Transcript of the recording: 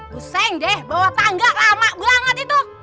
kuseng deh bawa tangga lama banget itu